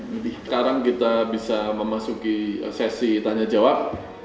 lebih sekarang kita bisa memasuki sesi tanya jawab